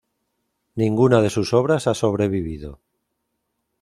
Ninguna de sus obras ha sobrevivido.